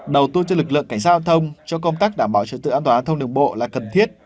đầu tư cho lực lượng cảnh giao thông cho công tác đảm bảo trật tự an toàn giao thông đường bộ là cần thiết